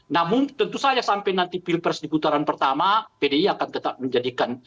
namun tentu saja sampai nanti pilpres di putaran pertama pdi akan tetap menjadikan